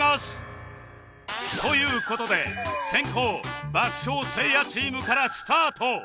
という事で先攻爆笑せいやチームからスタート